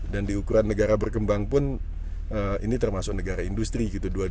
dan di ukuran negara berkembang pun ini termasuk negara industri